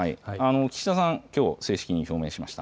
岸田さん、きょう正式に表明しました。